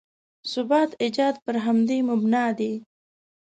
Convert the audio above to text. ثبات ایجاد پر همدې مبنا دی.